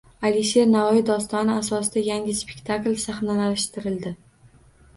Alisher Navoiy dostoni asosida yangi spektakl sahnalashtirildi